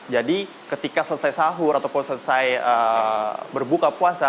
jadi ketika selesai sahur ataupun selesai berbuka puasa